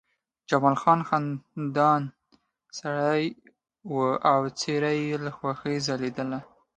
جمال خان خندان سړی و او څېره یې له خوښۍ ځلېدله